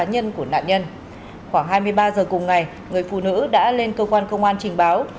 khoảng hai mươi ba h cùng ngày người phụ nữ đã lên cơ quan công an trình báo